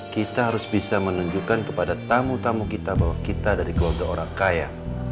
kita harus bisa menunjukkan kepada tamu tamu kita bahwa kita dari keluarga orang kaya